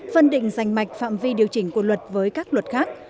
phân định dành mạch phạm vi điều chỉnh của luật với các luật khác